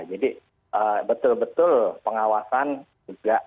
jadi betul betul pengawasan juga